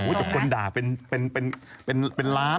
บู๊ยแต่คนด่าเป็นร้าน